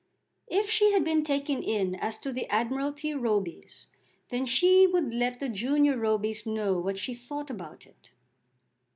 If she had been taken in as to the Admiralty Robys, then would she let the junior Robys know what she thought about it.